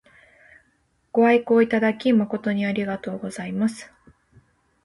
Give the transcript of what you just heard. ご愛顧いただき誠にありがとうございます。